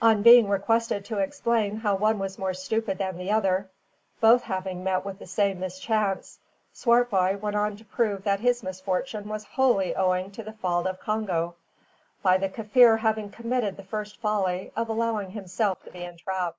On being requested to explain how one was more stupid than the other, both having met with the same mischance, Swartboy went on to prove that his misfortune was wholly owing to the fault of Congo, by the Kaffir having committed the first folly of allowing himself to be entrapped.